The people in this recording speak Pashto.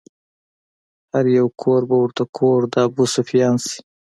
هر يو کور به ورته کور د ابوسفيان شي